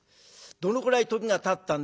どのくらい時がたったんでしょう。